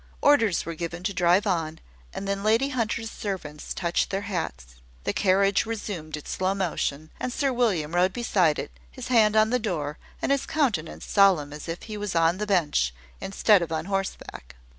Orders were given to drive on; and then Lady Hunter's servants touched their hats. The carriage resumed its slow motion, and Sir William rode beside it, his hand on the door, and his countenance solemn as if he was on the bench, instead of on horseback.